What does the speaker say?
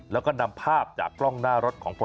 แล้วก็นำภาพจากกล้องหน้ารถของพลเมิงดีเนี่ย